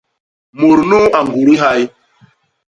Mut nuu a ñgudi hay!